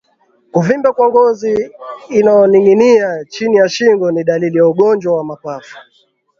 Kuvimba kwa ngozi inayoninginia chini ya shingo ni dalili ya ugonjwa wa mapafu